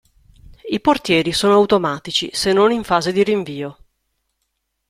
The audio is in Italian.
I portieri sono automatici se non in fase di rinvio.